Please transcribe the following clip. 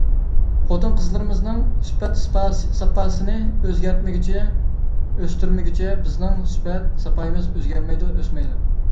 خوتۇن- قىزلىرىمىزنىڭ سۈپەت- ساپاسىنى ئۆزگەرتمىگۈچە، ئۆستۈرمىگۈچە، بىزنىڭ سۈپەت? ساپايىمىز ئۆزگەرمەيدۇ، ئۆسمەيدۇ.